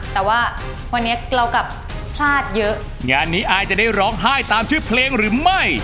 แต่ว่าวันนี้เรากลับพลาดเยอะงานนี้อายจะได้ร้องไห้ตามชื่อเพลงหรือไม่